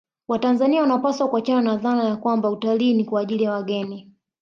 Watanzania wanapaswa kuachana na dhana ya kwamba utalii ni kwa ajili ya wageni